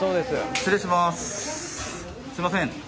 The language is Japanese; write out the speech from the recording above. すみません。